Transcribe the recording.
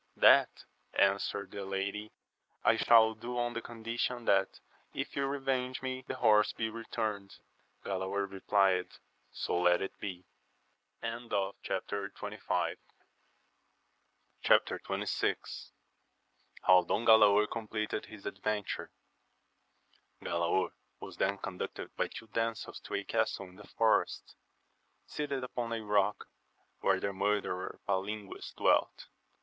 That, answered the lady, I shall do on the condition that if you revenge me, the horse be returned. Galaor replied. So let it be. Chap. XXVI. — How Don Gklaor compleated his adventure. ALAOR was then conducted by two damsels to a castle in a forest, seated upon a rock, where the murderer Palingues dwelt.